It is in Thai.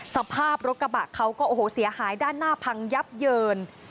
สภาพรถกระบะเขาก็โอ้โหเสียหายด้านหน้าพังยับเยิน